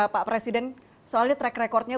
pak presiden soalnya track record nya